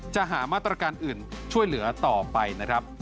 จะหามาตรการอื่นช่วยเหลือต่อไปนะครับ